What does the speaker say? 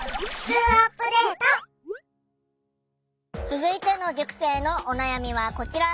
続いての塾生のお悩みはこちら。